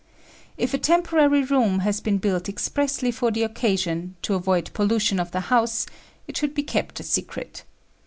If a temporary room has been built expressly for the occasion, to avoid pollution to the house, it should be kept a secret.